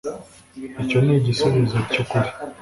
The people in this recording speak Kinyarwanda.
icyo ni igisubizo cyukuri.